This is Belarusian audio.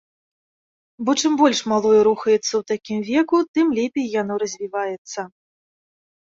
Бо чым больш малое рухаецца ў такім веку, тым лепей яно развіваецца.